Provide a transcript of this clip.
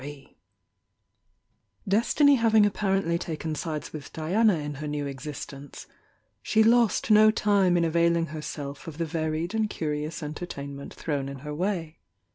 ■! CHAPTER XXIII Destiny having apparently taken sides with Di ana in her new existence, she lost no time in avaU mg herself of the varied and curious entertainment thrown in her way.